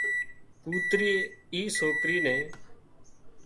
ڪوتري اِي سوڪري نين